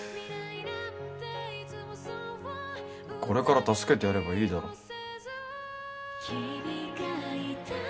これから助けてやればいいだろ。